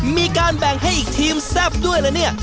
มีการแบ่งให้อีกทีมแซ่บด้วยละเนี่ย